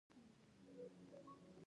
ساقي د شا له خوا د ونو له قطاره راووت.